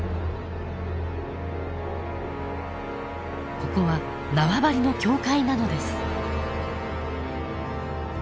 ここは縄張りの境界なのです。